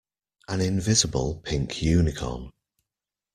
An invisible pink unicorn.